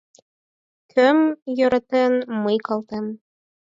Кӧм йӧратен, мый колтем